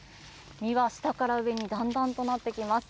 実は下から上にだんだんとなってきます。